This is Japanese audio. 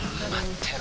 てろ